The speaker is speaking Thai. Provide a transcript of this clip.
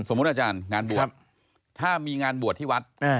อาจารย์งานบวชถ้ามีงานบวชที่วัด